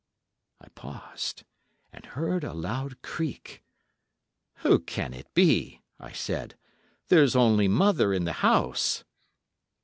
I paused, and heard a loud creak. 'Who can it be?' I said; 'there's only mother in the house!